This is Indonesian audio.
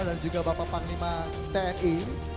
dan juga bapak panglima tni